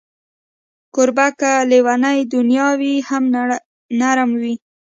کوربه که لېونۍ دنیا وي، هم نرم وي.